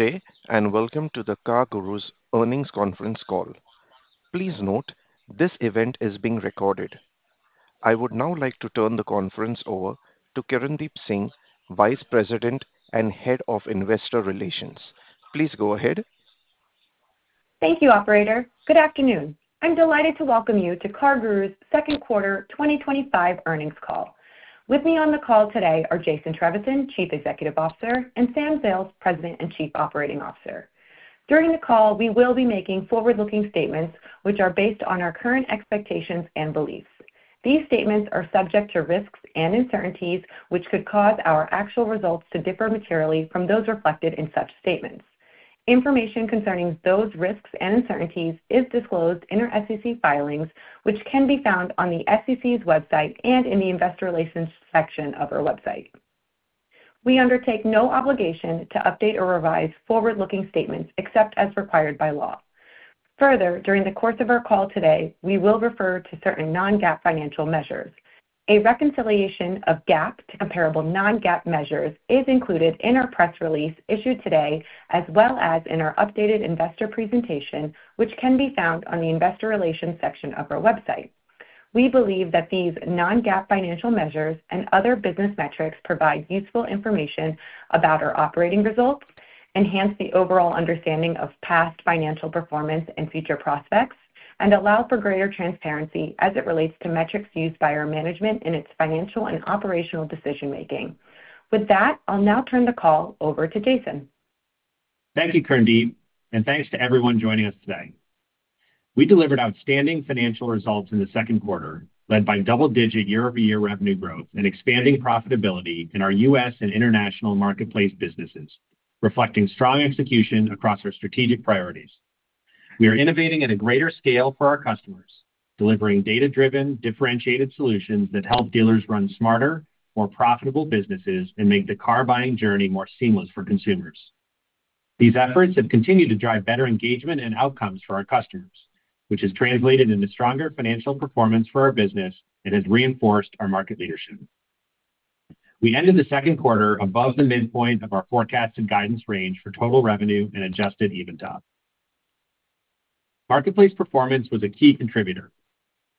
Today, and welcome to the CarGurus Earnings Conference Call. Please note, this event is being recorded. I would now like to turn the conference over to Kirndeep Singh, Vice President and Head of Investor Relations. Please go ahead. Thank you, Operator. Good afternoon. I'm delighted to welcome you to CarGurus' Second Quarter 2025 Earnings Call. With me on the call today are Jason Trevisan, Chief Executive Officer, and Sam Zales, President and Chief Operating Officer. During the call, we will be making forward-looking statements, which are based on our current expectations and beliefs. These statements are subject to risks and uncertainties, which could cause our actual results to differ materially from those reflected in such statements. Information concerning those risks and uncertainties is disclosed in our SEC filings, which can be found on the SEC's website and in the Investor Relations section of our website. We undertake no obligation to update or revise forward-looking statements except as required by law. Further, during the course of our call today, we will refer to certain non-GAAP financial measures. A reconciliation of GAAP to comparable non-GAAP measures is included in our press release issued today, as well as in our updated investor presentation, which can be found on the Investor Relations section of our website. We believe that these non-GAAP financial measures and other business metrics provide useful information about our operating results, enhance the overall understanding of past financial performance and future prospects, and allow for greater transparency as it relates to metrics used by our management in its financial and operational decision-making. With that, I'll now turn the call over to Jason. Thank you, Kirndeep, and thanks to everyone joining us today. We delivered outstanding financial results in the second quarter, led by double-digit year-over-year revenue growth and expanding profitability in our U.S. and international marketplace businesses, reflecting strong execution across our strategic priorities. We are innovating at a greater scale for our customers, delivering data-driven, differentiated solutions that help dealers run smarter, more profitable businesses and make the car buying journey more seamless for consumers. These efforts have continued to drive better engagement and outcomes for our customers, which has translated into stronger financial performance for our business and has reinforced our market leadership. We ended the second quarter above the midpoint of our forecasted guidance range for total revenue and Adjusted EBITDA. Marketplace performance was a key contributor.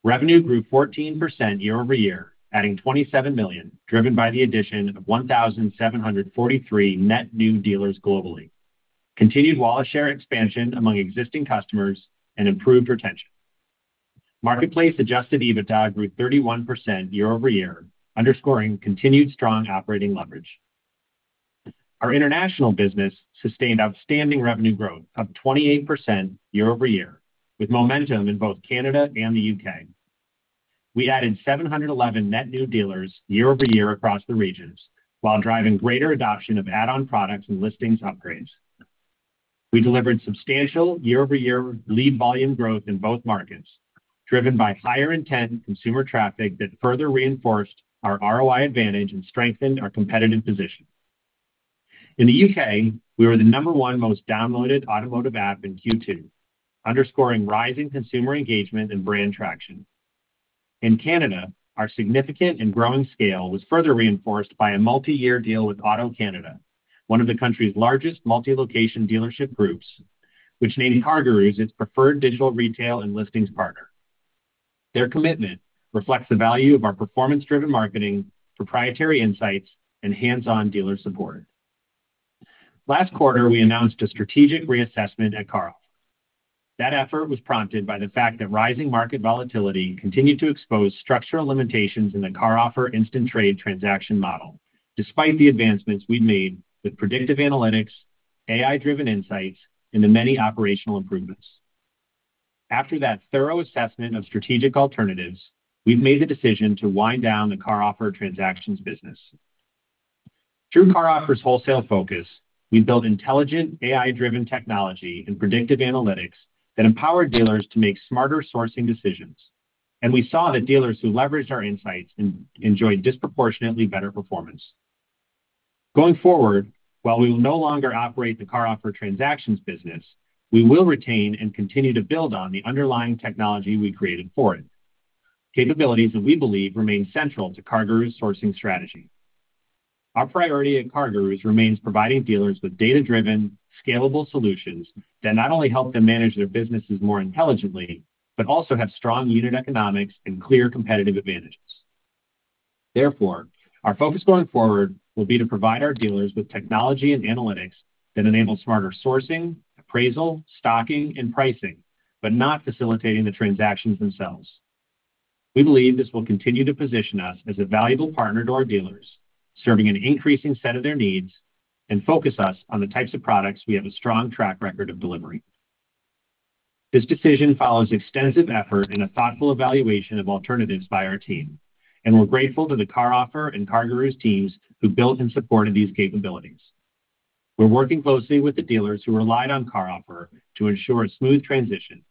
Revenue grew 14% year-over-year, adding $27 million, driven by the addition of 1,743 net new dealers globally, continued wallet share expansion among existing customers, and improved retention. Marketplace Adjusted EBITDA grew 31% year-over-year, underscoring continued strong operating leverage. Our international business sustained outstanding revenue growth of 28% year-over-year, with momentum in both Canada and the U.K. We added 711 net new dealers year-over-year across the regions, while driving greater adoption of add-on products and listings upgrades. We delivered substantial year-over-year lead volume growth in both markets, driven by higher-intent consumer traffic that further reinforced our ROI advantage and strengthened our competitive position. In the U.K., we were the number one most downloaded automotive app in Q2, underscoring rising consumer engagement and brand traction. In Canada, our significant and growing scale was further reinforced by a multi-year deal with AutoCanada, one of the country's largest multi-location dealership groups, which named CarGurus its preferred digital retail and listings partner. Their commitment reflects the value of our performance-driven marketing, proprietary insights, and hands-on dealer support. Last quarter, we announced a strategic reassessment at CarOffer. That effort was prompted by the fact that rising market volatility continued to expose structural limitations in the CarOffer instant trade transaction model, despite the advancements we've made with predictive analytics, AI-driven insights, and the many operational improvements. After that thorough assessment of strategic alternatives, we've made the decision to wind down the CarOffer transactions business. Through CarOffer's wholesale focus, we built intelligent AI-driven technology and predictive analytics that empower dealers to make smarter sourcing decisions, and we saw that dealers who leveraged our insights enjoyed disproportionately better performance. Going forward, while we will no longer operate the CarOffer transactions business, we will retain and continue to build on the underlying technology we created for it, capabilities that we believe remain central to CarGurus' sourcing strategy. Our priority at CarGurus remains providing dealers with data-driven, scalable solutions that not only help them manage their businesses more intelligently, but also have strong unit economics and clear competitive advantages. Therefore, our focus going forward will be to provide our dealers with technology and analytics that enable smarter sourcing, appraisal, stocking, and pricing, but not facilitating the transactions themselves. We believe this will continue to position us as a valuable partner to our dealers, serving an increasing set of their needs, and focus us on the types of products we have a strong track record of delivering. This decision follows extensive effort and a thoughtful evaluation of alternatives by our team, and we're grateful to the CarOffer and CarGurus teams who built and supported these capabilities. We're working closely with the dealers who relied on CarOffer to ensure a smooth transition,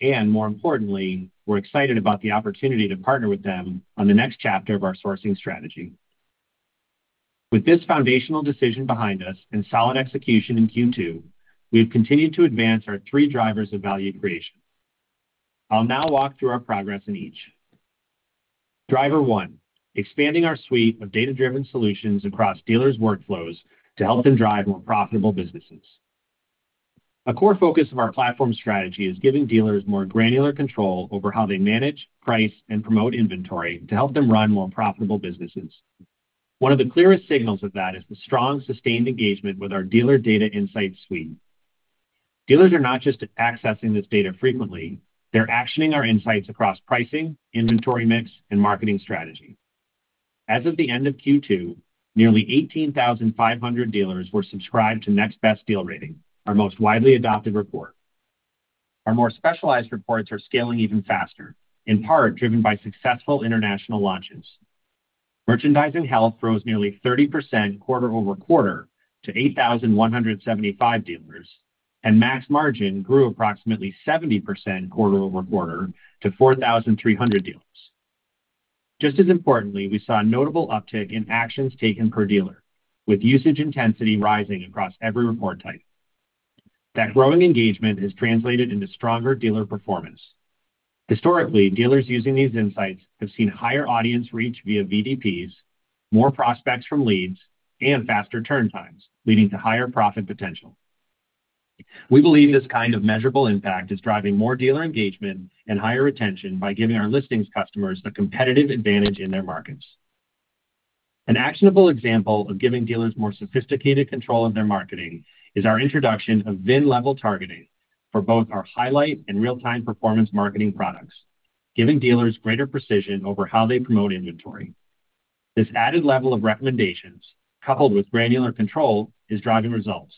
and more importantly, we're excited about the opportunity to partner with them on the next chapter of our sourcing strategy. With this foundational decision behind us and solid execution in Q2, we have continued to advance our three drivers of value creation. I'll now walk through our progress in each. Driver one: expanding our suite of data-driven solutions across dealers' workflows to help them drive more profitable businesses. A core focus of our platform strategy is giving dealers more granular control over how they manage, price, and promote inventory to help them run more profitable businesses. One of the clearest signals of that is the strong, sustained engagement with our dealer data insights suite. Dealers are not just accessing this data frequently, they're actioning our insights across pricing, inventory mix, and marketing strategy. As of the end of Q2, nearly 18,500 dealers were subscribed to Next Best Deal Rating, our most widely adopted report. Our more specialized reports are scaling even faster, in part driven by successful international launches. Merchandising help rose nearly 30% quarter-over-quarter to 8,175 dealers, and max margin grew approximately 70% quarter-over-quarter to 4,300 dealers. Just as importantly, we saw a notable uptick in actions taken per dealer, with usage intensity rising across every report type. That growing engagement has translated into stronger dealer performance. Historically, dealers using these insights have seen a higher audience reach via VDPs, more prospects from leads, and faster turn times, leading to higher profit potential. We believe this kind of measurable impact is driving more dealer engagement and higher retention by giving our listings customers a competitive advantage in their markets. An actionable example of giving dealers more sophisticated control of their marketing is our introduction of VIN-level targeting for both our Highlight and real-time performance marketing products, giving dealers greater precision over how they promote inventory. This added level of recommendations, coupled with granular control, is driving results.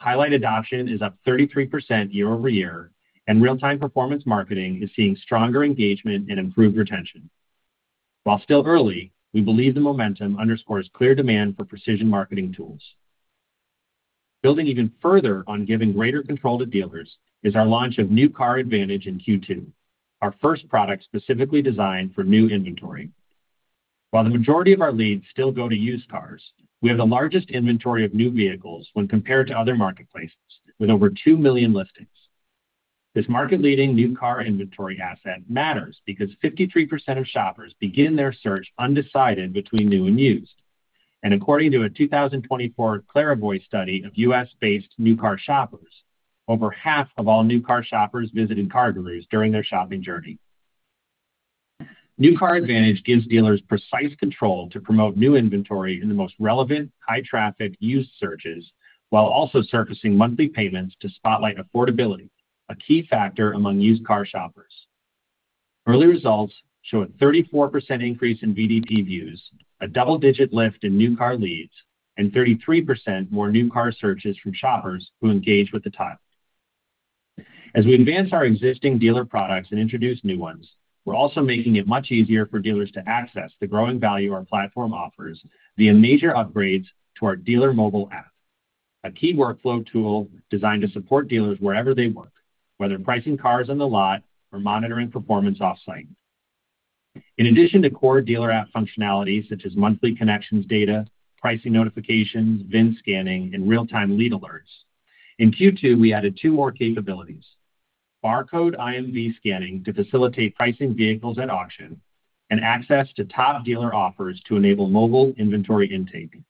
Highlight adoption is up 33% year-over-year, and real-time performance marketing is seeing stronger engagement and improved retention. While still early, we believe the momentum underscores clear demand for precision marketing tools. Building even further on giving greater control to dealers is our launch of New Car Advantage in Q2, our first product specifically designed for new inventory. While the majority of our leads still go to used cars, we have the largest inventory of new vehicles when compared to other marketplaces, with over 2 million listings. This market-leading new car inventory asset matters because 53% of shoppers begin their search undecided between new and used. According to a 2024 Clarivoy study of U.S.-based new car shoppers, over half of all new car shoppers visited CarGurus during their shopping journey. New Car Advantage gives dealers precise control to promote new inventory in the most relevant, high-traffic used searches, while also surfacing monthly payments to spotlight affordability, a key factor among used car shoppers. Early results show a 34% increase in VDP views, a double-digit lift in new car leads, and 33% more new car searches from shoppers who engage with the title. As we advance our existing dealer products and introduce new ones, we're also making it much easier for dealers to access the growing value our platform offers via major upgrades to our Dealer Mobile app, a key workflow tool designed to support dealers wherever they work, whether in pricing cars on the lot or monitoring performance offsite. In addition to core dealer app functionality such as monthly connections data, pricing notifications, VIN scanning, and real-time lead alerts, in Q2 we added two more capabilities: barcode IMV scanning to facilitate pricing vehicles at auction, and access to Top Dealer Offers to enable mobile inventory intaking.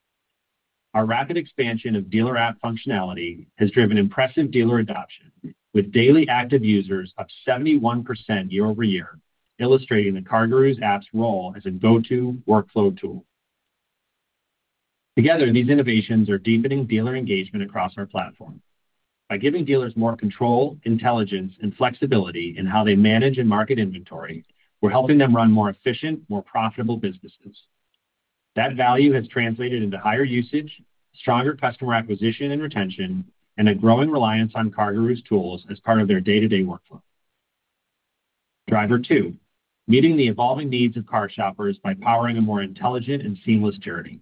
Our rapid expansion of dealer app functionality has driven impressive dealer adoption, with daily active users up 71% year-over-year, illustrating the CarGurus app's role as a go-to workflow tool. Together, these innovations are deepening dealer engagement across our platform. By giving dealers more control, intelligence, and flexibility in how they manage and market inventory, we're helping them run more efficient, more profitable businesses. That value has translated into higher usage, stronger customer acquisition and retention, and a growing reliance on CarGurus tools as part of their day-to-day workflow. Driver two: meeting the evolving needs of car shoppers by powering a more intelligent and seamless journey.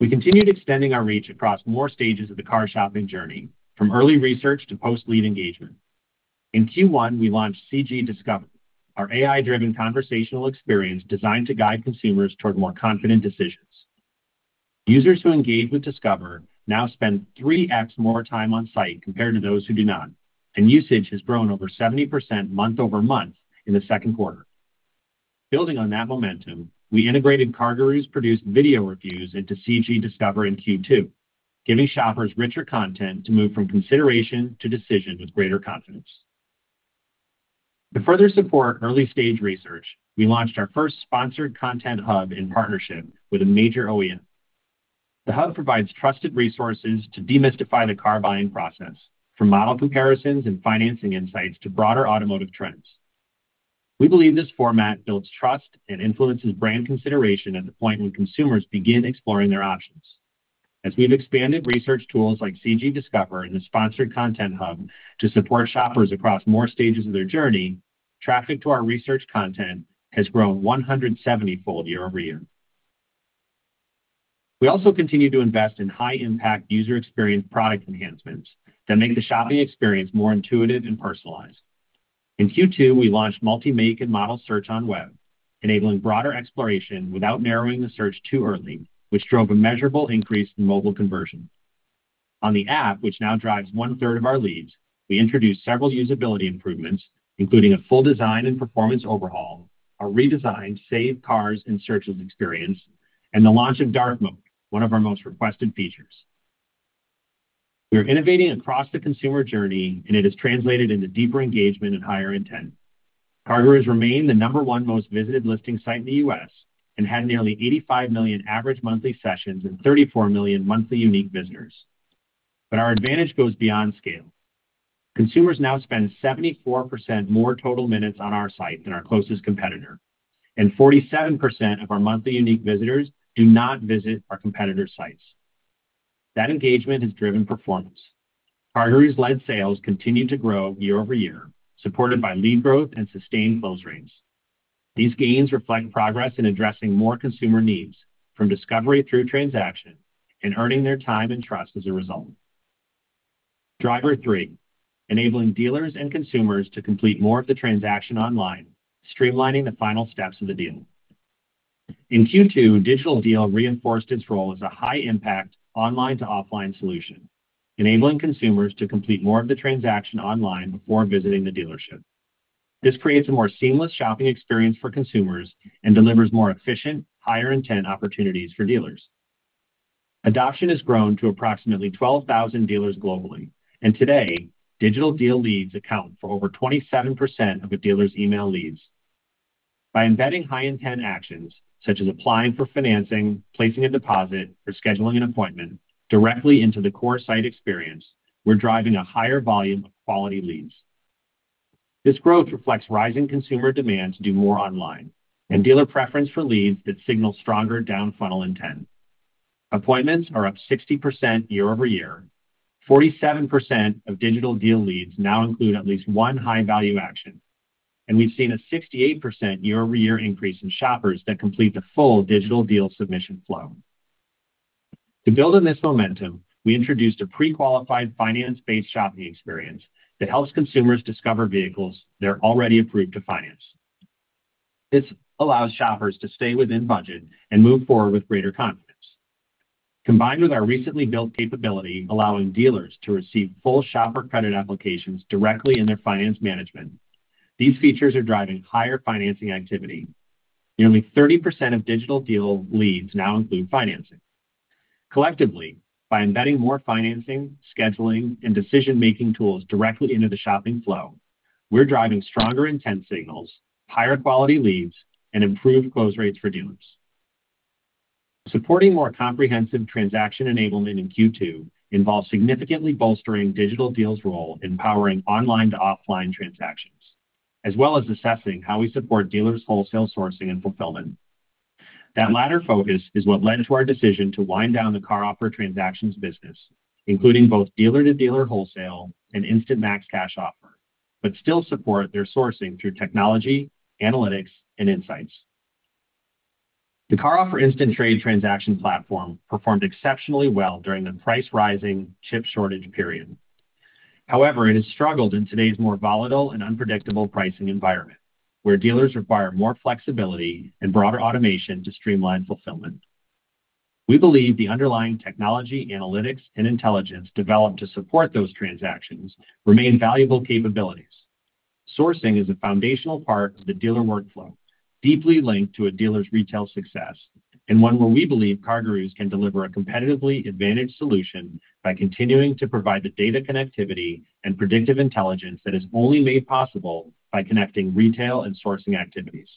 We continued extending our reach across more stages of the car shopping journey, from early research to post-lead engagement. In Q1, we launched CG Discover, our AI-driven conversational experience designed to guide consumers toward more confident decisions. Users who engage with Discover now spend 3x more time onsite compared to those who do not, and usage has grown over 70% month-over-month in the second quarter. Building on that momentum, we integrated CarGurus-produced video reviews into CG Discover in Q2, giving shoppers richer content to move from consideration to decision with greater confidence. To further support early-stage research, we launched our first sponsored content hub in partnership with a major OEM. The hub provides trusted resources to demystify the car buying process, from model comparisons and financing insights to broader automotive trends. We believe this format builds trust and influences brand consideration at the point when consumers begin exploring their options. As we've expanded research tools like CG Discover and the sponsored content hub to support shoppers across more stages of their journey, traffic to our research content has grown 170-fold year-over-year. We also continue to invest in high-impact user experience product enhancements that make the shopping experience more intuitive and personalized. In Q2, we launched multi-make and model search on web, enabling broader exploration without narrowing the search too early, which drove a measurable increase in mobile conversion. On the app, which now drives one-third of our leads, we introduced several usability improvements, including a full design and performance overhaul, a redesign to save cars and searches experience, and the launch of dark mode, one of our most requested features. We're innovating across the consumer journey, and it has translated into deeper engagement and higher intent. CarGurus remained the number one most visited listing site in the U.S. and had nearly 85 million average monthly sessions and 34 million monthly unique visitors. Our advantage goes beyond scale. Consumers now spend 74% more total minutes on our site than our closest competitor, and 47% of our monthly unique visitors do not visit our competitors' sites. That engagement has driven performance. CarGurus-led sales continue to grow year-over-year, supported by lead growth and sustained close rings. These gains reflect progress in addressing more consumer needs, from discovery through transaction, and earning their time and trust as a result. Driver three: enabling dealers and consumers to complete more of the transaction online, streamlining the final steps of the deal. In Q2, Digital Deal reinforced its role as a high-impact online-to-offline solution, enabling consumers to complete more of the transaction online before visiting the dealership. This creates a more seamless shopping experience for consumers and delivers more efficient, higher-intent opportunities for dealers. Adoption has grown to approximately 12,000 dealers globally, and today, Digital Deal leads account for over 27% of a dealer's email leads. By embedding high-intent actions, such as applying for financing, placing a deposit, or scheduling an appointment, directly into the core site experience, we're driving a higher volume of quality leads. This growth reflects rising consumer demand to do more online, and dealer preference for leads that signal stronger down-funnel intent. Appointments are up 60% year-over-year, 47% of Digital Deal leads now include at least one high-value action, and we've seen a 68% year-over-year increase in shoppers that complete the full Digital Deal submission flow. To build on this momentum, we introduced a pre-qualified finance-based shopping experience that helps consumers discover vehicles they're already approved to finance. This allows shoppers to stay within budget and move forward with greater confidence. Combined with our recently built capability allowing dealers to receive full shopper credit applications directly in their finance management, these features are driving higher financing activity. Nearly 30% of Digital Deal leads now include financing. Collectively, by embedding more financing, scheduling, and decision-making tools directly into the shopping flow, we're driving stronger intent signals, higher quality leads, and improved close rates for dealers. Supporting more comprehensive transaction enablement in Q2 involves significantly bolstering Digital Deal's role in powering online-to-offline transactions, as well as assessing how we support dealers' wholesale sourcing and fulfillment. That latter focus is what led to our decision to wind down the CarOffer transactions business, including both dealer-to-dealer wholesale and instant max cash offer, but still support their sourcing through technology, analytics, and insights. The CarOffer Instant Trade transaction platform performed exceptionally well during the price-rising chip shortage period. However, it has struggled in today's more volatile and unpredictable pricing environment, where dealers require more flexibility and broader automation to streamline fulfillment. We believe the underlying technology, analytics, and intelligence developed to support those transactions remain valuable capabilities. Sourcing is a foundational part of the dealer workflow, deeply linked to a dealer's retail success, and one where we believe CarGurus can deliver a competitively advantaged solution by continuing to provide the data connectivity and predictive intelligence that is only made possible by connecting retail and sourcing activities.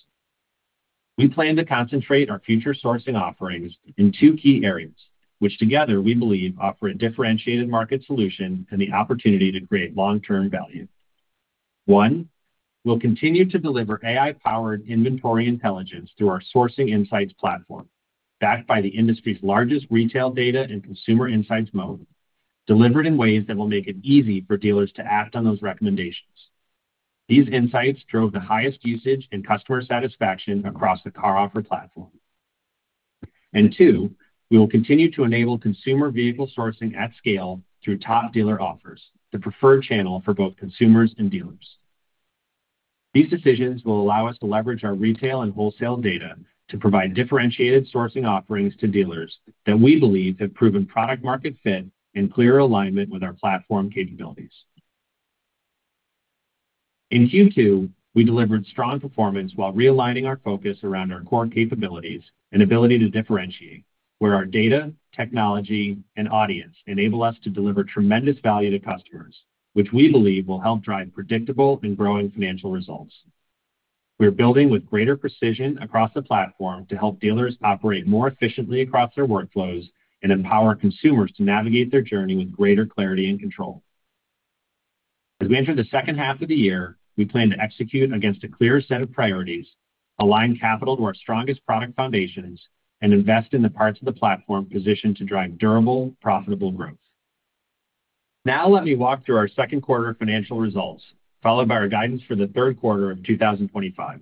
We plan to concentrate our future sourcing offerings in two key areas, which together we believe offer a differentiated market solution and the opportunity to create long-term value. One, we'll continue to deliver AI-powered inventory intelligence through our sourcing insights platform, backed by the industry's largest retail data and consumer insights model, delivered in ways that will make it easy for dealers to act on those recommendations. These insights drove the highest usage and customer satisfaction across the CarOffer platform. Two, we will continue to enable consumer vehicle sourcing at scale through Top Dealer Offers, the preferred channel for both consumers and dealers. These decisions will allow us to leverage our retail and wholesale data to provide differentiated sourcing offerings to dealers that we believe have proven product-market fit and clear alignment with our platform capabilities. In Q2, we delivered strong performance while realigning our focus around our core capabilities and ability to differentiate, where our data, technology, and audience enable us to deliver tremendous value to customers, which we believe will help drive predictable and growing financial results. We're building with greater precision across the platform to help dealers operate more efficiently across their workflows and empower consumers to navigate their journey with greater clarity and control. As we enter the second half of the year, we plan to execute against a clear set of priorities, align capital to our strongest product foundations, and invest in the parts of the platform positioned to drive durable, profitable growth. Now let me walk through our second quarter of financial results, followed by our guidance for the third quarter of 2025.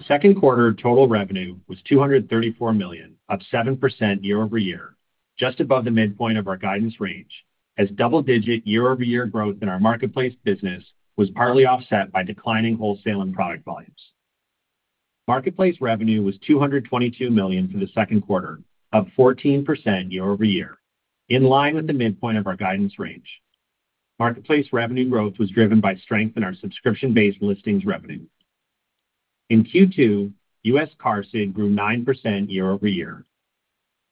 The second quarter total revenue was $234 million, up 7% year-over-year, just above the midpoint of our guidance range, as double-digit year-over-year growth in our marketplace business was partly offset by declining wholesale and product volumes. Marketplace revenue was $222 million for the second quarter, up 14% year-over-year, in line with the midpoint of our guidance range. Marketplace revenue growth was driven by strength in our subscription-based listings revenue. In Q2, U.S. QARSD grew 9% year-over-year.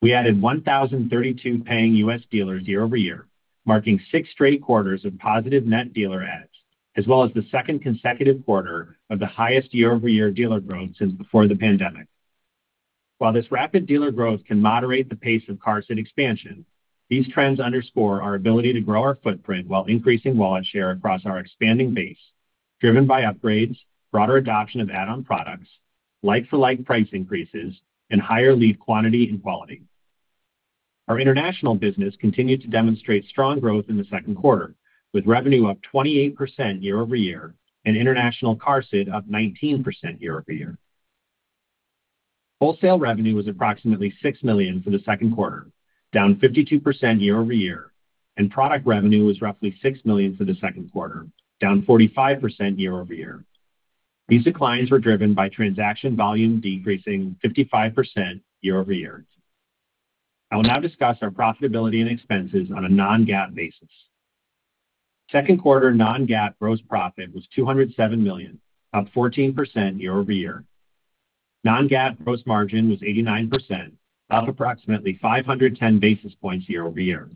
We added 1,032 paying U.S. dealers year-over-year, marking six straight quarters of positive net dealer edge, as well as the second consecutive quarter of the highest year-over-year dealer growth since before the pandemic. While this rapid dealer growth can moderate the pace of QARSD expansion, these trends underscore our ability to grow our footprint while increasing wallet share across our expanding base, driven by upgrades, broader adoption of add-on products, like-for-like price increases, and higher lead quantity and quality. Our international business continued to demonstrate strong growth in the second quarter, with revenue up 28% year-over-year and international QARSD up 19% year-over-year. Wholesale revenue was approximately $6 million for the second quarter, down 52% year-over-year, and product revenue was roughly $6 million for the second quarter, down 45% year-over-year. These declines were driven by transaction volume decreasing 55% year-over-year. I will now discuss our profitability and expenses on a non-GAAP basis. Second quarter non-GAAP gross profit was $207 million, up 14% year-over-year. Non-GAAP gross margin was 89%, up approximately 510 basis points year-over-year.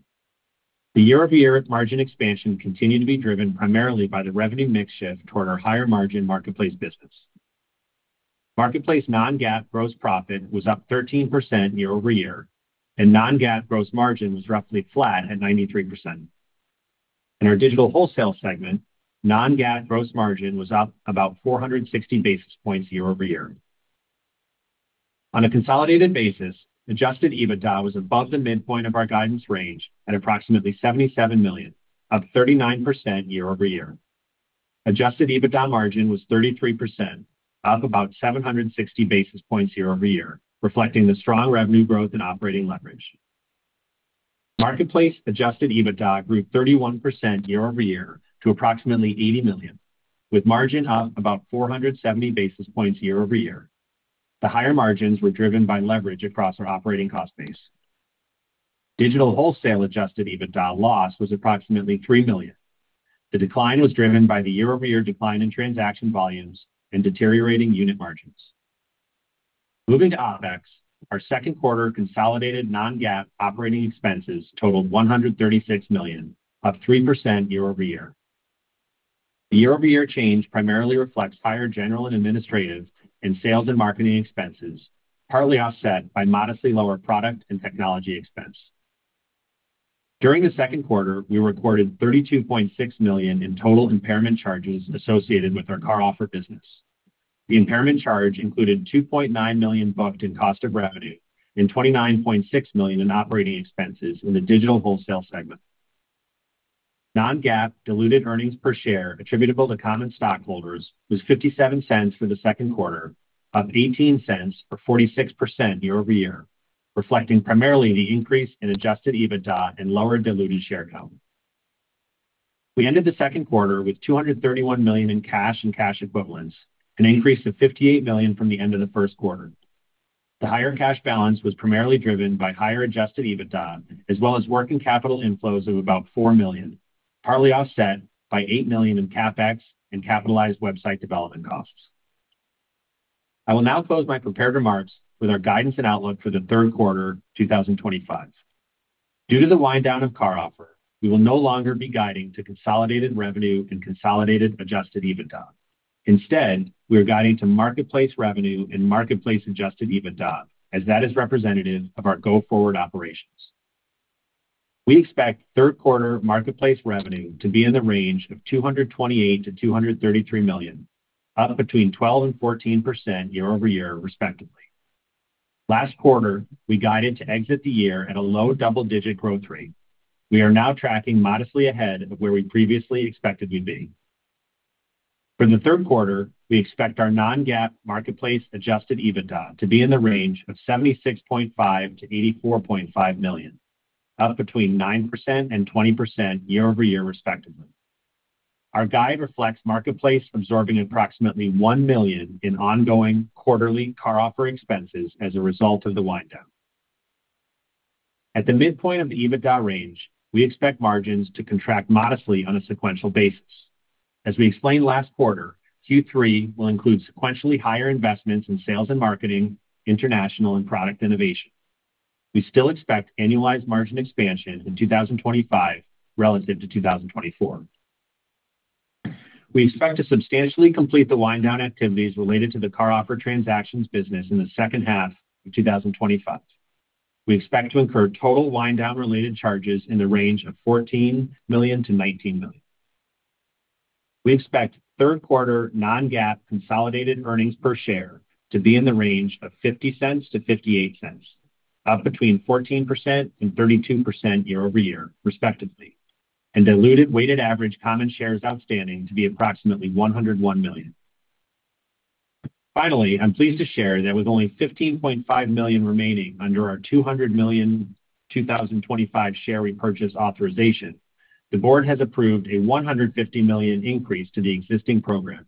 The year-over-year margin expansion continued to be driven primarily by the revenue mix shift toward our higher margin marketplace business. Marketplace non-GAAP gross profit was up 13% year-over-year, and non-GAAP gross margin was roughly flat at 93%. In our digital wholesale segment, non-GAAP gross margin was up about 460 basis points year-over-year. On a consolidated basis, Adjusted EBITDA was above the midpoint of our guidance range at approximately $77 million, up 39% year-over-year. Adjusted EBITDA margin was 33%, up about 760 basis points year-over-year, reflecting the strong revenue growth in operating leverage. Marketplace Adjusted EBITDA grew 31% year-over-year to approximately $80 million, with margin up about 470 basis points year-over-year. The higher margins were driven by leverage across our operating cost base. Digital wholesale Adjusted EBITDA loss was approximately $3 million. The decline was driven by the year-over-year decline in transaction volumes and deteriorating unit margins. Moving to OpEx, our second quarter consolidated non-GAAP operating expenses totaled $136 million, up 3% year-over-year. The year-over-year change primarily reflects higher general and administrative and sales and marketing expenses, partly offset by modestly lower product and technology expense. During the second quarter, we recorded $32.6 million in total impairment charges associated with our CarOffer business. The impairment charge included $2.9 million booked in cost of revenue and $29.6 million in operating expenses in the digital wholesale segment. Non-GAAP diluted earnings per share attributable to common stockholders was $0.57 for the second quarter, up $0.18 or 46% year-over-year, reflecting primarily the increase in Adjusted EBITDA and lowered diluted share count. We ended the second quarter with $231 million in cash and cash equivalents, an increase of $58 million from the end of the first quarter. The higher cash balance was primarily driven by higher Adjusted EBITDA, as well as working capital inflows of about $4 million, partly offset by $8 million in CapEx and capitalized website development costs. I will now close my prepared remarks with our guidance and outlook for the third quarter 2025. Due to the wind-down of CarOffer, we will no longer be guiding to consolidated revenue and consolidated Adjusted EBITDA. Instead, we are guiding to marketplace revenue and marketplace Adjusted EBITDA, as that is representative of our go-forward operations. We expect third quarter marketplace revenue to be in the range of $228 million-$233 million, up between 12% and 14% year-over-year, respectively. Last quarter, we guided to exit the year at a low double-digit growth rate. We are now tracking modestly ahead of where we previously expected to be. For the third quarter, we expect our non-GAAP marketplace Adjusted EBITDA to be in the range of $76.5 million-$84.5 million, up between 9% and 20% year-over-year, respectively. Our guide reflects marketplace absorbing approximately $1 million in ongoing quarterly CarOffer expenses as a result of the wind-down. At the midpoint of the EBITDA range, we expect margins to contract modestly on a sequential basis. As we explained last quarter, Q3 will include sequentially higher investments in sales and marketing, international and product innovation. We still expect annualized margin expansion in 2025 relative to 2024. We expect to substantially complete the wind-down activities related to the CarOffer transactions business in the second half of 2025. We expect to incur total wind-down related charges in the range of $14 million-$19 million. We expect third quarter non-GAAP consolidated earnings per share to be in the range of $0.50-$0.58, up between 14% and 32% year-over-year, respectively, and diluted weighted average common shares outstanding to be approximately 101 million. Finally, I'm pleased to share that with only $15.5 million remaining under our $200 million 2025 share repurchase authorization, the Board has approved a $150 million increase to the existing program,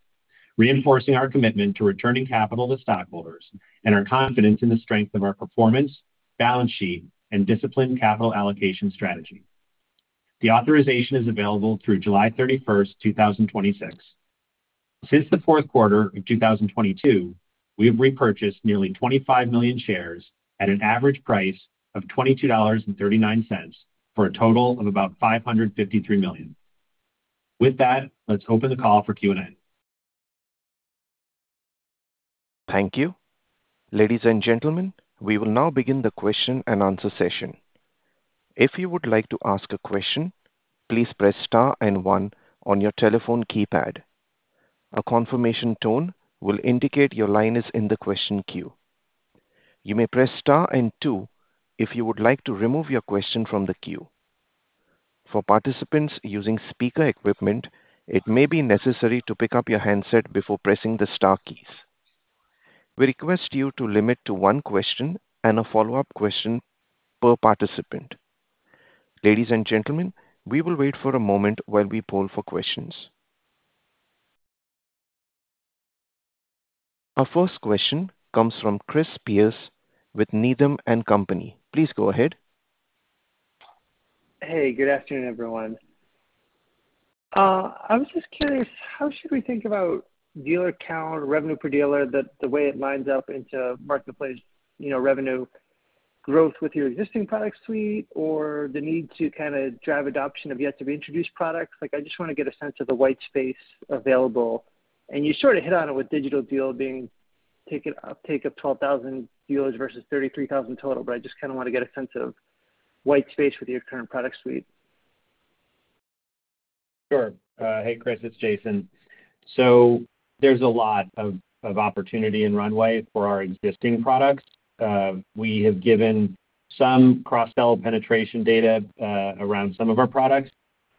reinforcing our commitment to returning capital to stockholders and our confidence in the strength of our performance, balance sheet, and disciplined capital allocation strategy. The authorization is available through July 31st, 2026. Since the fourth quarter of 2022, we have repurchased nearly 25 million shares at an average price of $22.39 for a total of about $553 million. With that, let's open the call for Q&A. Thank you. Ladies and gentlemen, we will now begin the question and answer session. If you would like to ask a question, please press star and one on your telephone keypad. A confirmation tone will indicate your line is in the question queue. You may press star and two if you would like to remove your question from the queue. For participants using speaker equipment, it may be necessary to pick up your handset before pressing the star keys. We request you to limit to one question and a follow-up question per participant. Ladies and gentlemen, we will wait for a moment while we poll for questions. Our first question comes from Chris Pierce with Needham & Company. Please go ahead. Hey, good afternoon, everyone. I was just curious, how should we think about dealer count or revenue per dealer, the way it lines up into marketplace revenue growth with your existing product suite or the need to kind of drive adoption of yet-to-be-introduced products? I just want to get a sense of the white space available. You sort of hit on it with Digital Deal being a take of 12,000 dealers versus 33,000 total, but I just want to get a sense of white space with your current product suite. Sure. Hey, Chris, it's Jason. There's a lot of opportunity and runway for our existing products. We have given some cross-sell penetration data around some of our products,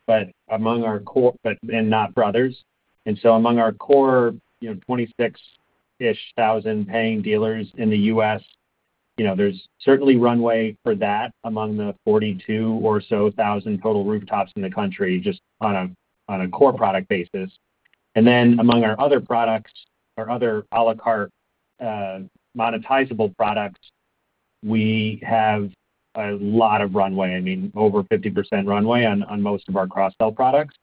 but among our core, but then not brothers. Among our core 26,000-ish paying dealers in the U.S., there's certainly runway for that among the 42,000 or so total rooftops in the country just on a core product basis. Among our other products, our other à la carte monetizable products, we have a lot of runway. I mean, over 50% runway on most of our cross-sell products.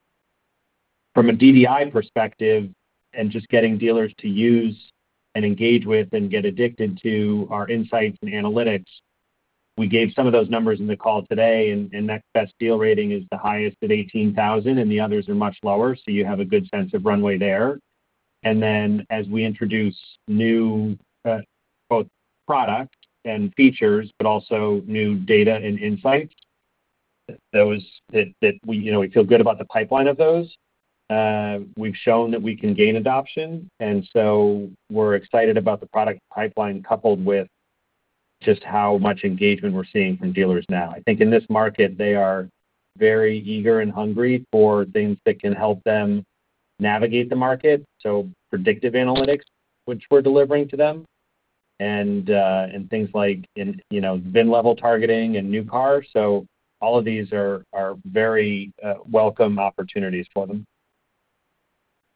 From a DDI perspective and just getting dealers to use and engage with and get addicted to our insights and analytics, we gave some of those numbers in the call today, and that deal rating is the highest at 18,000, and the others are much lower. You have a good sense of runway there. As we introduce new both products and features, but also new data and insights, those that we feel good about the pipeline of those, we've shown that we can gain adoption. We're excited about the product pipeline coupled with just how much engagement we're seeing from dealers now. I think in this market, they are very eager and hungry for things that can help them navigate the market. Predictive analytics, which we're delivering to them, and things like VIN-level targeting and new cars. All of these are very welcome opportunities for them.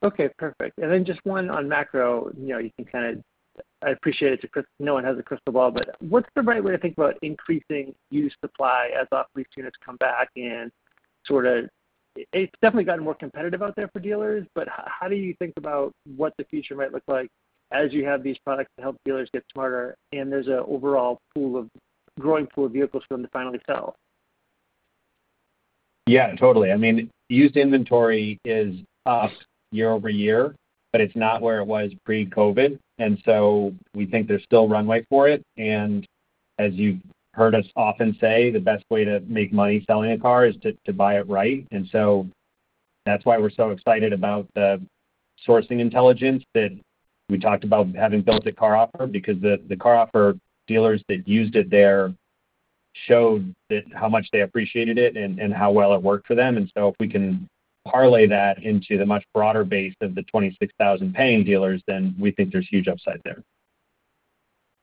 Okay, perfect. Just one on macro. I appreciate it, no one has a crystal ball, but what's the right way to think about increasing used supply as off-lease units come back? It's definitely gotten more competitive out there for dealers, but how do you think about what the future might look like as you have these products to help dealers get smarter and there's an overall growing pool of vehicles for them to finally sell? Yeah, totally. I mean, used inventory is up year-over-year, but it's not where it was pre-COVID. We think there's still runway for it. As you've heard us often say, the best way to make money selling a car is to buy it right. That's why we're so excited about the sourcing intelligence that we talked about having built at CarOffer, because the CarOffer dealers that used it there showed how much they appreciated it and how well it worked for them. If we can parlay that into the much broader base of the 26,000 paying dealers, then we think there's huge upside there.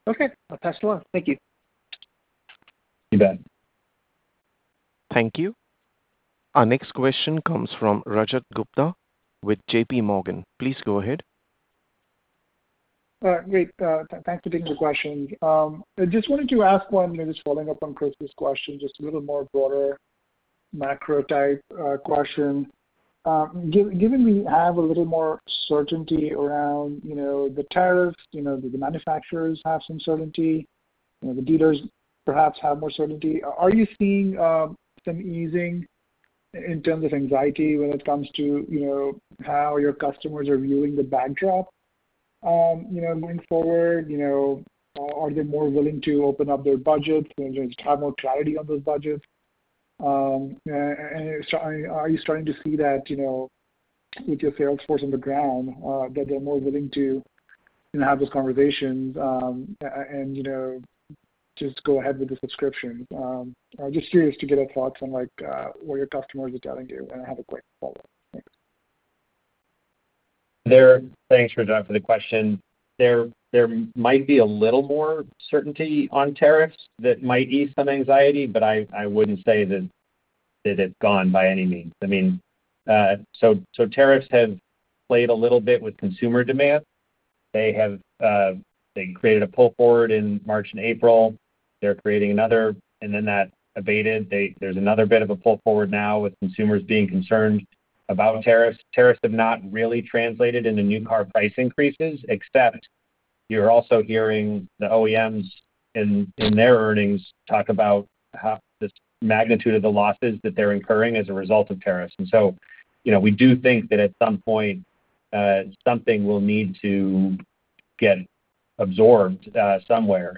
Okay, I'll pass it along. Thank you. You bet. Thank you. Our next question comes from Rajat Gupta with JPMorgan. Please go ahead. Great. Thanks for taking the question. I just wanted to ask one, just following up on Chris's question, just a little more broader macro type question. Given we have a little more certainty around the tariffs, the manufacturers have some certainty, the dealers perhaps have more certainty. Are you seeing some easing in terms of anxiety when it comes to how your customers are viewing the backdrop? Moving forward, are they more willing to open up their budgets? There's more clarity on those budgets. Are you starting to see that into a sales force on the ground that they're more willing to have those conversations and just go ahead with the subscription? I'm just curious to get your thoughts on what your customers are telling you. I have a quick follow-up. Thanks. Thanks for the question. There might be a little more certainty on tariffs that might ease some anxiety, but I wouldn't say that it's gone by any means. Tariffs have played a little bit with consumer demand. They have created a pull forward in March and April. They're creating another, and then that abated. There's another bit of a pull forward now with consumers being concerned about tariffs. Tariffs have not really translated into new car price increases, except you're also hearing the OEMs in their earnings talk about the magnitude of the losses that they're incurring as a result of tariffs. We do think that at some point, something will need to get absorbed somewhere.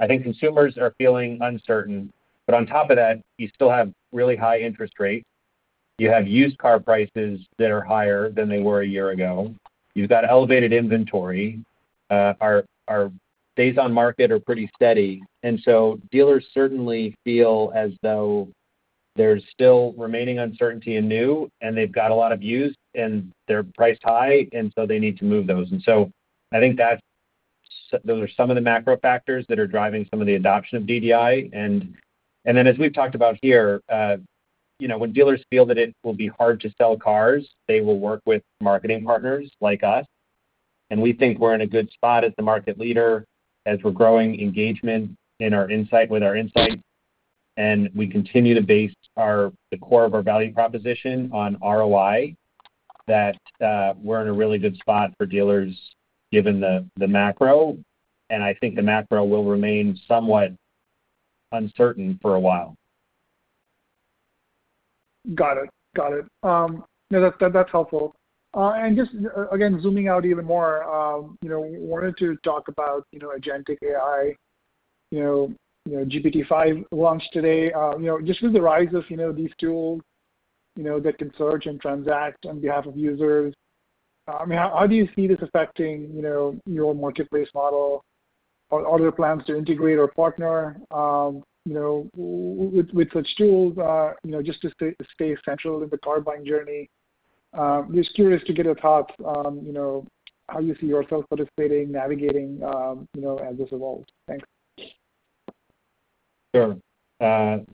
I think consumers are feeling uncertain. On top of that, you still have really high interest rates. You have used car prices that are higher than they were a year ago. You've got elevated inventory. Our days on market are pretty steady. Dealers certainly feel as though there's still remaining uncertainty in new, and they've got a lot of used, and they're priced high, and so they need to move those. I think that those are some of the macro factors that are driving some of the adoption of DDI. As we've talked about here, when dealers feel that it will be hard to sell cars, they will work with marketing partners like us. We think we're in a good spot as the market leader as we're growing engagement with our insights. We continue to base the core of our value proposition on ROI, that we're in a really good spot for dealers given the macro. I think the macro will remain somewhat uncertain for a while. Got it. No, that's helpful. Just again, zooming out even more, I wanted to talk about Agentic AI. GPT-5 launched today. Just with the rise of these tools that can search and transact on behalf of users, how do you see this affecting your marketplace model? Are there plans to integrate or partner with such tools just to stay central in the car buying journey? I'm just curious to get your thoughts on how you see yourself participating, navigating as this evolves. Thanks. Sure. A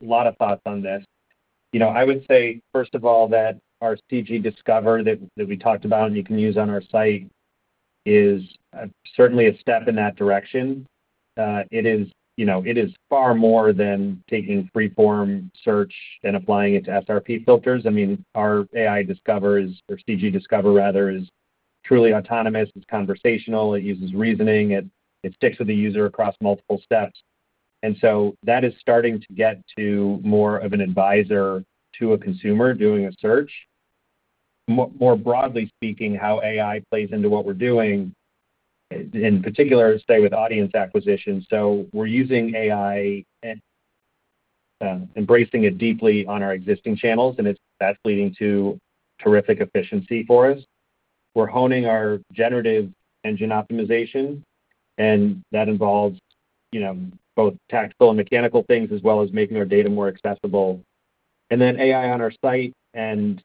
lot of thoughts on this. I would say, first of all, that our CG Discover that we talked about and you can use on our site is certainly a step in that direction. It is far more than taking freeform search and applying it to SRP filters. I mean, our AI Discover, or CG Discover rather, is truly autonomous. It's conversational. It uses reasoning. It sticks to the user across multiple steps. That is starting to get to more of an advisor to a consumer doing a search. More broadly speaking, how AI plays into what we're doing, in particular, with audience acquisition. We're using AI and embracing it deeply on our existing channels, and that's leading to terrific efficiency for us. We're honing our generative engine optimization, and that involves both tactical and mechanical things, as well as making our data more accessible. AI on our site and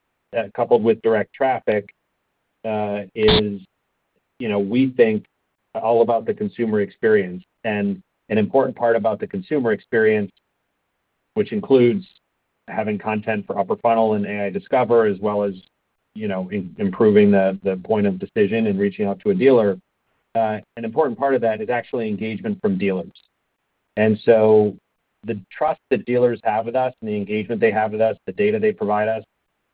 coupled with direct traffic is, we think, all about the consumer experience. An important part about the consumer experience includes having content for Upper Funnel and AI Discover, as well as improving the point of decision and reaching out to a dealer. An important part of that is actually engagement from dealers. The trust that dealers have with us and the engagement they have with us, the data they provide us,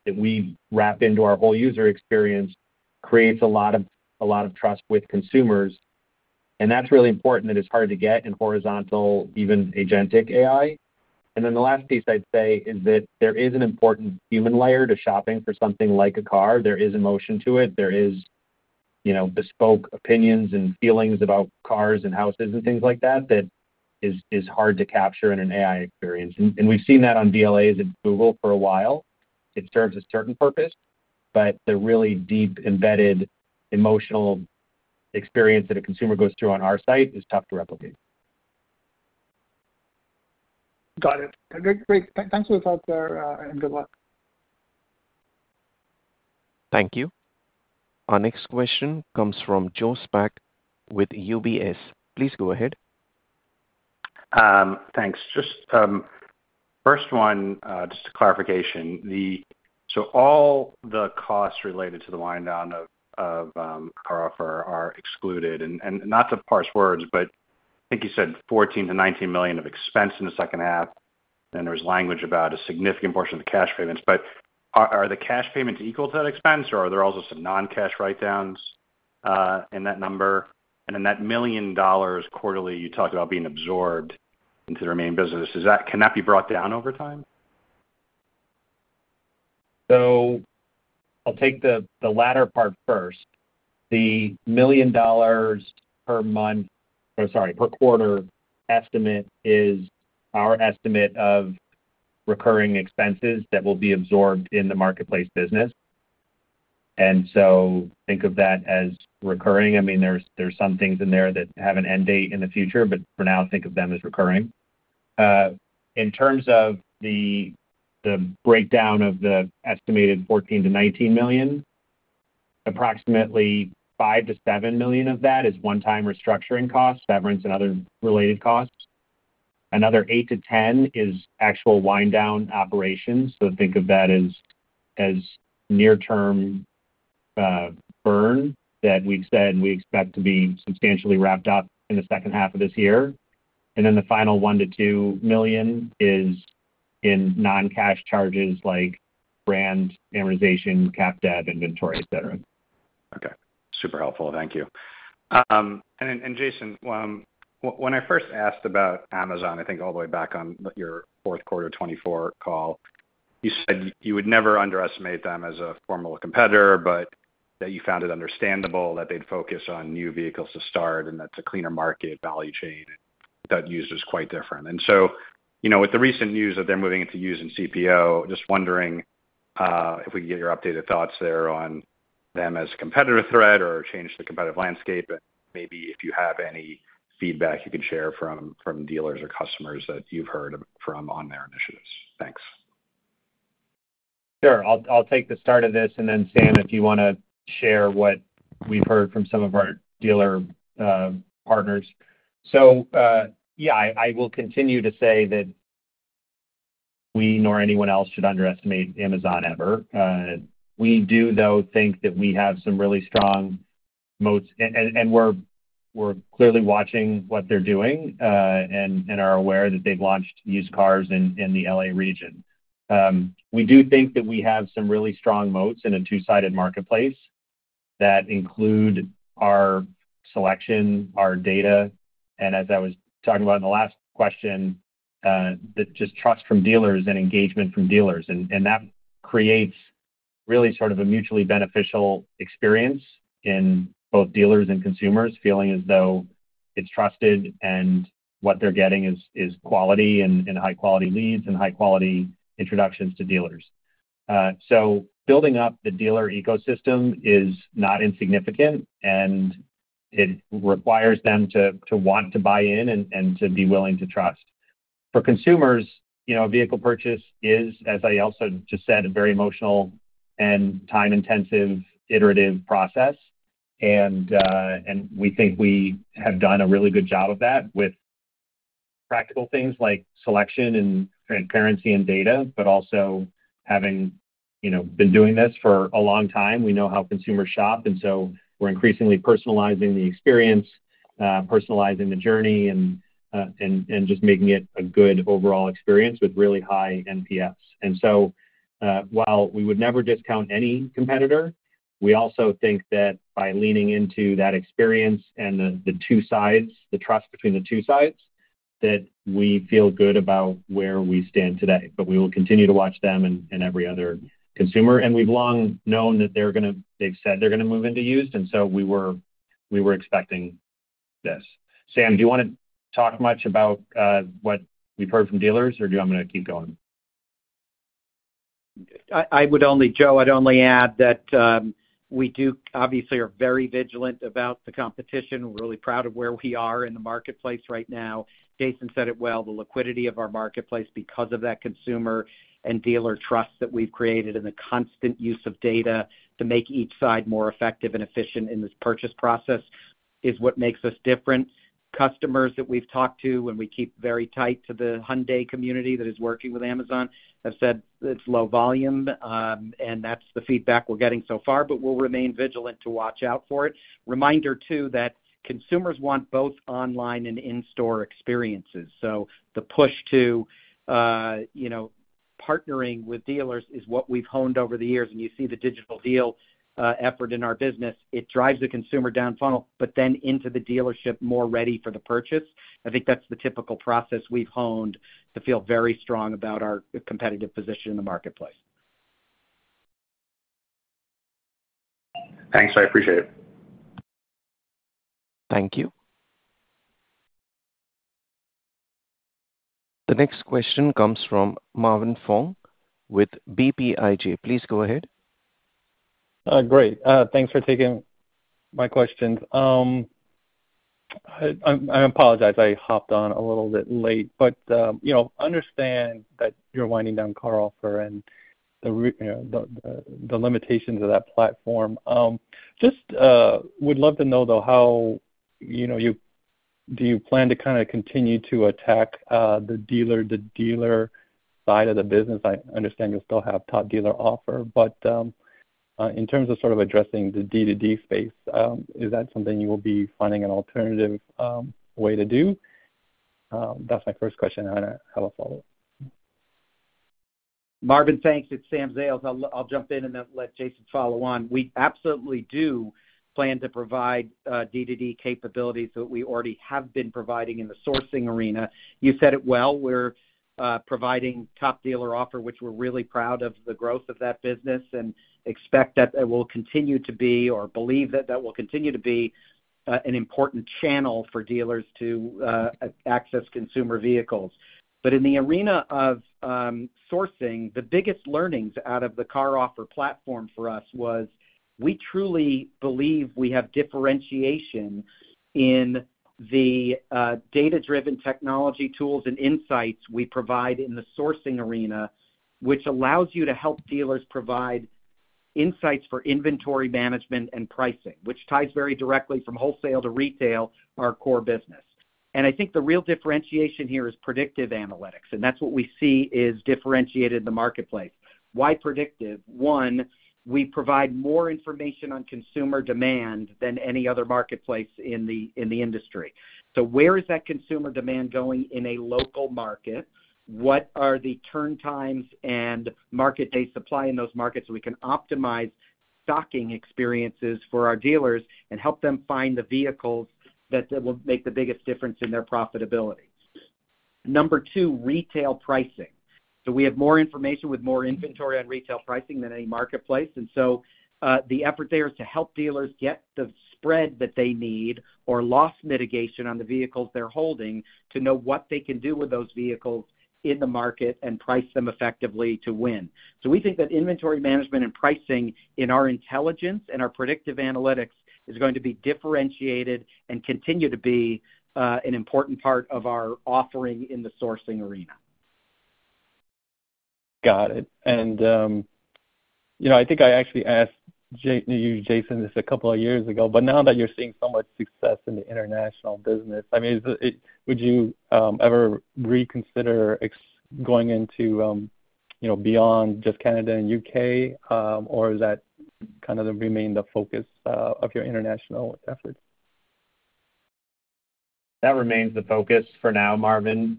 that we wrap into our whole user experience creates a lot of trust with consumers. That's really important and it's hard to get in horizontal, even agentic AI. The last piece I'd say is that there is an important human layer to shopping for something like a car. There is emotion to it. There are bespoke opinions and feelings about cars and houses and things like that that is hard to capture in an AI experience. We've seen that on DLAs at Google for a while. It serves a certain purpose, but the really deep embedded emotional experience that a consumer goes through on our site is tough to replicate. Got it. Great, thanks for the thoughts there and good luck. Thank you. Our next question comes from Joe Speck with UBS. Please go ahead. Thanks. Just first one, just a clarification. All the costs related to the wind-down of CarOffer are excluded. I think you said $14 million-$19 million of expense in the second half. There was language about a significant portion of the cash payments. Are the cash payments equal to that expense, or are there also some non-cash write-downs in that number? That $1 million quarterly you talked about being absorbed into the remaining business, can that be brought down over time? I'll take the latter part first. The $1 million per quarter estimate is our estimate of recurring expenses that will be absorbed in the marketplace business. Think of that as recurring. I mean, there's some things in there that have an end date in the future, but for now, think of them as recurring. In terms of the breakdown of the estimated $14 million-$19 million, approximately $5 million-$7 million of that is one-time restructuring costs. That is rents and other related costs. Another $8 million-$10 million is actual wind-down operations. Think of that as near-term burn that we've said we expect to be substantially wrapped up in the second half of this year. The final $1 million-$2 million is in non-cash charges like brand amortization, cap dev, inventory, etc. Okay. Super helpful. Thank you. Jason, when I first asked about Amazon, I think all the way back on your fourth quarter 2024 call, you said you would never underestimate them as a formal competitor, but that you found it understandable that they'd focus on new vehicles to start and that it's a cleaner market value chain that uses quite different. With the recent news that they're moving into used and CPO, just wondering if we can get your updated thoughts there on them as a competitive threat or change the competitive landscape. Maybe if you have any feedback you could share from dealers or customers that you've heard from on their initiatives. Thanks. Sure. I'll take the start of this and then Sam, if you want to share what we've heard from some of our dealer partners. I will continue to say that we nor anyone else should underestimate Amazon ever. We do, though, think that we have some really strong moats, and we're clearly watching what they're doing and are aware that they've launched used cars in the L.A. region. We do think that we have some really strong moats in a two-sided marketplace that include our selection, our data, and as I was talking about in the last question, just trust from dealers and engagement from dealers. That creates really sort of a mutually beneficial experience in both dealers and consumers feeling as though it's trusted and what they're getting is quality and high-quality leads and high-quality introductions to dealers. Building up the dealer ecosystem is not insignificant, and it requires them to want to buy in and to be willing to trust. For consumers, you know, a vehicle purchase is, as I also just said, a very emotional and time-intensive iterative process. We think we have done a really good job of that with practical things like selection and transparency and data, but also having, you know, been doing this for a long time. We know how consumers shop, and we're increasingly personalizing the experience, personalizing the journey, and just making it a good overall experience with really high NPS. While we would never discount any competitor, we also think that by leaning into that experience and the two sides, the trust between the two sides, we feel good about where we stand today. We will continue to watch them and every other consumer. We've long known that they're going to, they've said they're going to move into used. We were expecting this. Sam, do you want to talk much about what you've heard from dealers, or do you want me to keep going? I would only, Joe, I'd only add that we do obviously are very vigilant about the competition. We're really proud of where we are in the marketplace right now. Jason said it well, the liquidity of our marketplace because of that consumer and dealer trust that we've created and the constant use of data to make each side more effective and efficient in this purchase process is what makes us different. Customers that we've talked to, and we keep very tight to the Hyundai community that is working with Amazon, have said it's low volume, and that's the feedback we're getting so far. We'll remain vigilant to watch out for it. Reminder too that consumers want both online and in-store experiences. The push to, you know, partnering with dealers is what we've honed over the years. You see the Digital Deal effort in our business. It drives the consumer down funnel, but then into the dealership more ready for the purchase. I think that's the typical process we've honed to feel very strong about our competitive position in the marketplace. Thanks, I appreciate it. Thank you. The next question comes from Marvin Fong with BTIG. Please go ahead. Great. Thanks for taking my questions. I apologize. I hopped on a little bit late, but I understand that you're winding down CarOffer and the limitations of that platform. I just would love to know, though, how you plan to kind of continue to attack the dealer-to-dealer side of the business. I understand you'll still have Top Dealer Offers, but in terms of sort of addressing the D2D space, is that something you will be finding an alternative way to do? That's my first question, and I have a follow-up. Marvin, thanks. It's Sam Zales. I'll jump in and let Jason follow on. We absolutely do plan to provide D2D capabilities that we already have been providing in the sourcing arena. You said it well. We're providing Top Dealer Offers, which we're really proud of the growth of that business and expect that it will continue to be, or believe that that will continue to be, an important channel for dealers to access consumer vehicles. In the arena of sourcing, the biggest learnings out of the CarOffer online wholesale platform for us was we truly believe we have differentiation in the data-driven technology tools and insights we provide in the sourcing arena, which allows you to help dealers provide insights for inventory management and pricing, which ties very directly from wholesale to retail, our core business. I think the real differentiation here is predictive analytics, and that's what we see is differentiated in the marketplace. Why predictive? One, we provide more information on consumer demand than any other marketplace in the industry. Where is that consumer demand going in a local market? What are the turn times and market day supply in those markets so we can optimize stocking experiences for our dealers and help them find the vehicles that will make the biggest difference in their profitability? Number two, retail pricing. We have more information with more inventory on retail pricing than any marketplace. The effort there is to help dealers get the spread that they need or loss mitigation on the vehicles they're holding to know what they can do with those vehicles in the market and price them effectively to win. We think that inventory management and pricing in our intelligence and our predictive analytics is going to be differentiated and continue to be an important part of our offering in the sourcing arena. Got it. I think I actually asked you, Jason, this a couple of years ago, but now that you're seeing so much success in the international business, would you ever reconsider going into, you know, beyond just Canada and U.K., or is that kind of the remaining focus of your international efforts? That remains the focus for now, Marvin.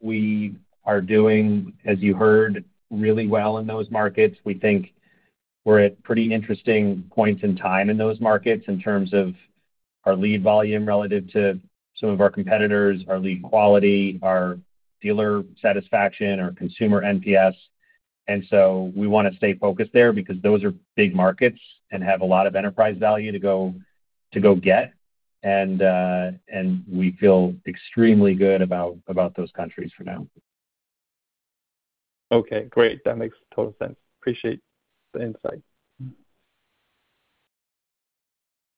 We are doing, as you heard, really well in those markets. We think we're at pretty interesting points in time in those markets in terms of our lead volume relative to some of our competitors, our lead quality, our dealer satisfaction, our consumer NPS. We want to stay focused there because those are big markets and have a lot of enterprise value to go get. We feel extremely good about those countries for now. Okay, great. That makes total sense. Appreciate the insight.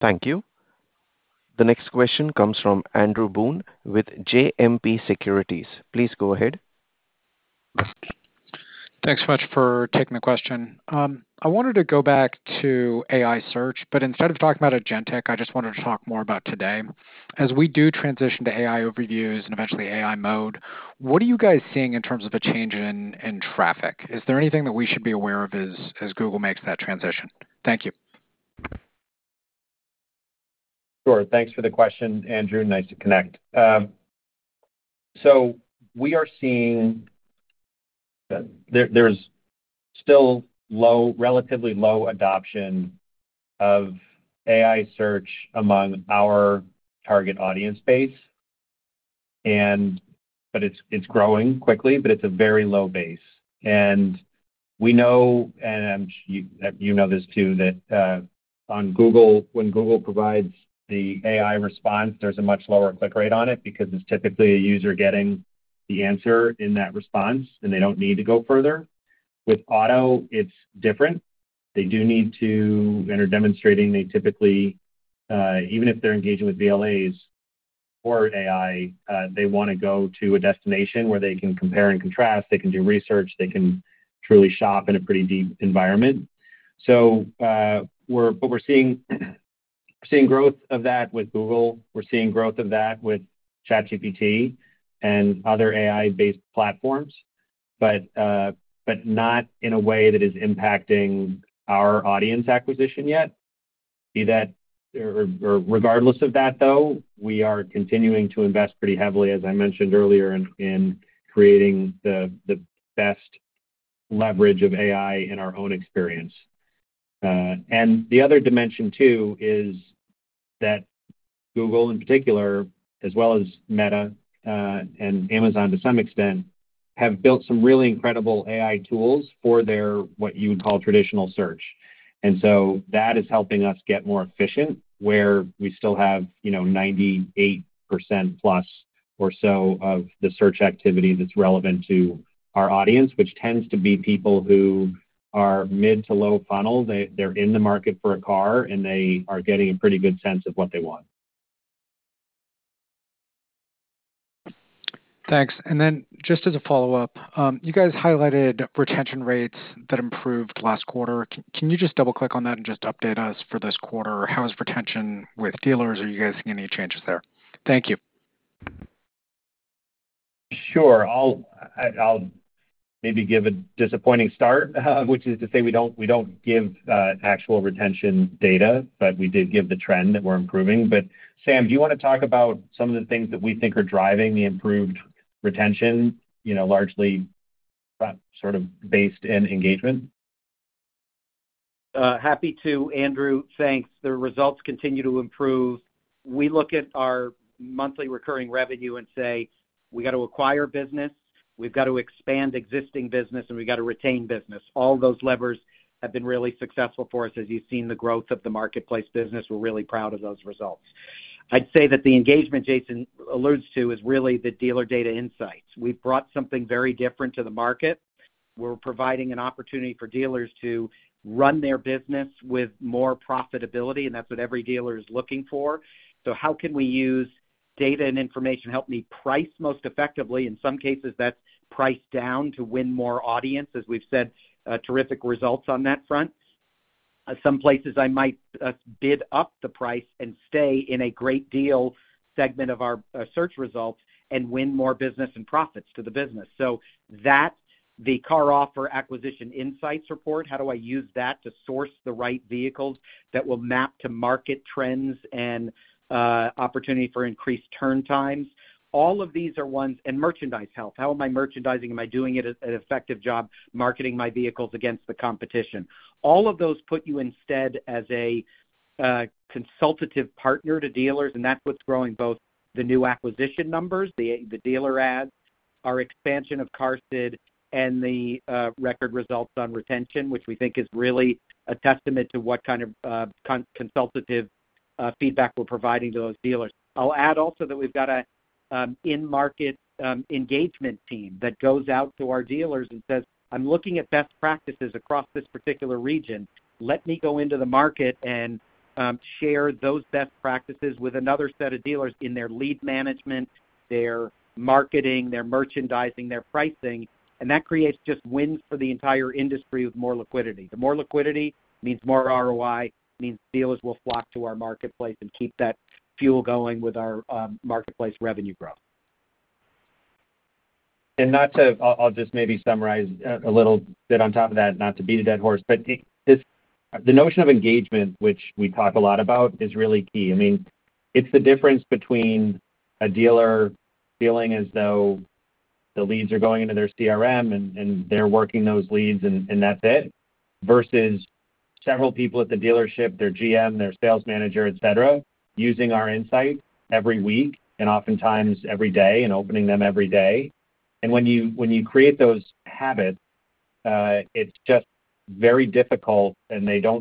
Thank you. The next question comes from Andrew Boone with JMP Securities. Please go ahead. Thanks so much for taking the question. I wanted to go back to AI search, but instead of talking about Agentic, I just wanted to talk more about today. As we do transition to AI overviews and eventually AI mode, what are you guys seeing in terms of a change in traffic? Is there anything that we should be aware of as Google makes that transition? Thank you. Sure. Thanks for the question, Andrew. Nice to connect. We are seeing there's still relatively low adoption of AI search among our target audience base, but it's growing quickly, though it's a very low base. We know, and you know this too, that on Google, when Google provides the AI response, there's a much lower click rate on it because it's typically a user getting the answer in that response, and they don't need to go further. With Auto, it's different. They do need to, and are demonstrating, they typically, even if they're engaging with VLAs or AI, want to go to a destination where they can compare and contrast, do research, and truly shop in a pretty deep environment. We're seeing growth of that with Google. We're seeing growth of that with ChatGPT and other AI-based platforms, but not in a way that is impacting our audience acquisition yet. Regardless of that, we are continuing to invest pretty heavily, as I mentioned earlier, in creating the best leverage of AI in our own experience. The other dimension too is that Google, in particular, as well as Meta and Amazon, to some extent, have built some really incredible AI tools for their, what you would call, traditional search. That is helping us get more efficient where we still have, you know, 98%+ or so of the search activity that's relevant to our audience, which tends to be people who are mid to low funnel. They're in the market for a car, and they are getting a pretty good sense of what they want. Thanks. Just as a follow-up, you guys highlighted retention rates that improved last quarter. Can you double-click on that and update us for this quarter? How is retention with dealers? Are you guys seeing any changes there? Thank you. Sure. I'll maybe give a disappointing start, which is to say we don't give actual retention data, but we did give the trend that we're improving. Sam, do you want to talk about some of the things that we think are driving the improved retention, you know, largely sort of based in engagement? Happy to, Andrew. Thanks. The results continue to improve. We look at our monthly recurring revenue and say, we've got to acquire business, we've got to expand existing business, and we've got to retain business. All those levers have been really successful for us. As you've seen the growth of the marketplace business, we're really proud of those results. I'd say that the engagement Jason alludes to is really the dealer data insights. We've brought something very different to the market. We're providing an opportunity for dealers to run their business with more profitability, and that's what every dealer is looking for. How can we use data and information to help me price most effectively? In some cases, that's price down to win more audience, as we've said terrific results on that front. Some places I might bid up the price and stay in a great deal segment of our search results and win more business and profits to the business. The CarOffer acquisition insights report, how do I use that to source the right vehicles that will map to market trends and opportunity for increased turn times? All of these are ones, and merchandise health. How am I merchandising? Am I doing an effective job marketing my vehicles against the competition? All of those put you instead as a consultative partner to dealers, and that's what's growing both the new acquisition numbers, the dealer ads, our expansion of QARSD, and the record results on retention, which we think is really a testament to what kind of consultative feedback we're providing to those dealers. I'll add also that we've got an in-market engagement team that goes out to our dealers and says, I'm looking at best practices across this particular region. Let me go into the market and share those best practices with another set of dealers in their lead management, their marketing, their merchandising, their pricing. That creates just wins for the entire industry with more liquidity. The more liquidity means more ROI, means dealers will flock to our marketplace and keep that fuel going with our marketplace revenue growth. I'll just maybe summarize a little bit on top of that, not to beat a dead horse, but the notion of engagement, which we talk a lot about, is really key. It is the difference between a dealer feeling as though the leads are going into their CRM and they're working those leads and that's it, versus several people at the dealership, their GM, their Sales Manager, etc., using our insight every week and oftentimes every day and opening them every day. When you create those habits, it's just very difficult and they are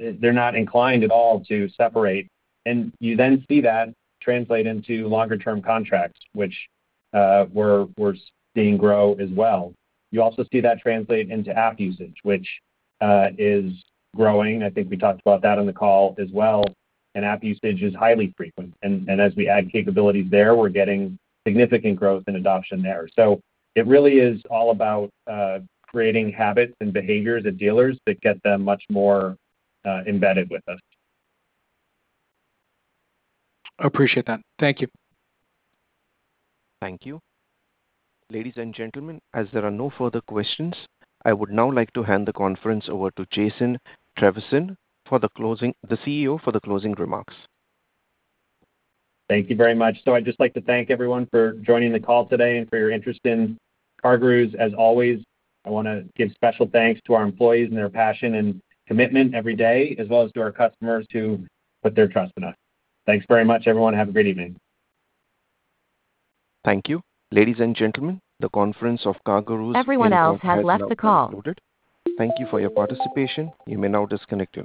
not inclined at all to separate. You then see that translate into longer-term contracts, which we're seeing grow as well. You also see that translate into app usage, which is growing. I think we talked about that on the call as well. App usage is highly frequent. As we add capabilities there, we're getting significant growth in adoption there. It really is all about creating habits and behaviors of dealers that get them much more embedded with us. I appreciate that. Thank you. Thank you. Ladies and gentlemen, as there are no further questions, I would now like to hand the conference over to Jason Trevisan, the CEO, for the closing remarks. Thank you very much. I'd just like to thank everyone for joining the call today and for your interest in CarGurus. As always, I want to give special thanks to our employees and their passion and commitment every day, as well as to our customers who put their trust in us. Thanks very much, everyone. Have a great evening. Thank you. Ladies and gentlemen, the conference of CarGurus is now concluded. Thank you for your participation. You may now disconnect.